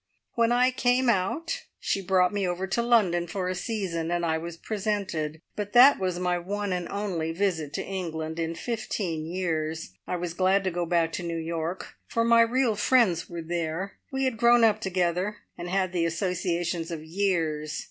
When I came out she brought me over to London for a season, and I was presented; but that was my one and only visit to England in fifteen years. I was glad to go back to New York, for my real friends were there. We had grown up together, and had the associations of years.